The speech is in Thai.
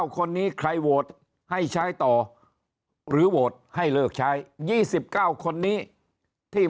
คนนี้ใครโหวตให้ใช้ต่อหรือโหวตให้เลิกใช้๒๙คนนี้ที่